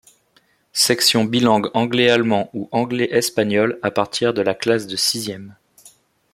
Section bilangue anglais-allemand ou anglais-espagnol à partir de la classe de sixième.